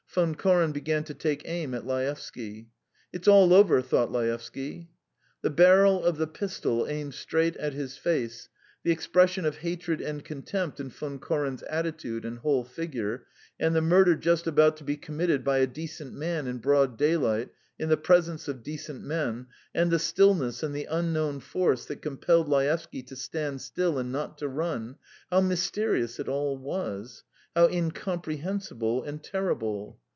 Von Koren began to take aim at Laevsky. "It's all over!" thought Laevsky. The barrel of the pistol aimed straight at his face, the expression of hatred and contempt in Von Koren's attitude and whole figure, and the murder just about to be committed by a decent man in broad daylight, in the presence of decent men, and the stillness and the unknown force that compelled Laevsky to stand still and not to run how mysterious it all was, how incomprehensible and terrible!